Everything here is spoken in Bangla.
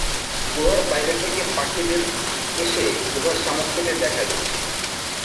গুহার বাইরে থেকে পাখিদের এসে গুহার শামুক খেতে দেখা গেছে।